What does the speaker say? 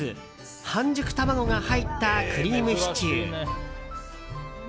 半熟卵が入ったクリームシチュー。